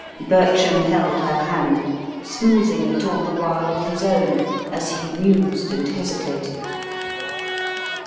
Bertram held her hand, smoothing it all the while with his own, as he mused and hesitated.